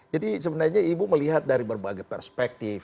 jadi sebenarnya ibu melihat dari berbagai perspektif